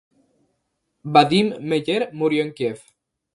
Vadim Meller murió en Kiev.